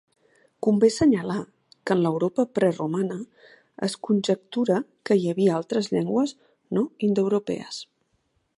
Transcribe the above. Convé assenyalar que en l'Europa preromana es conjectura que hi havia altres llengües no indoeuropees.